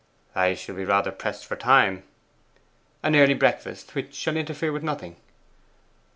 'I shall be rather pressed for time.' 'An early breakfast, which shall interfere with nothing?